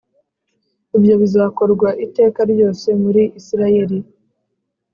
Ibyo bizakorwa iteka ryose muri Isirayeli